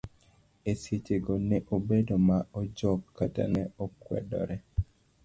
Eseche go ne obedo ma ojok kata ne okwedore.